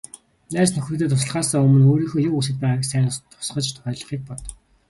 Найз нөхдөдөө туслахаасаа өмнө өөрийнхөө юу хүсээд байгааг сайн тусгаж ойлгохыг бод.